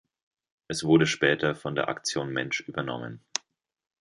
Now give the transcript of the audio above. Es wurde später von der Aktion Mensch übernommen.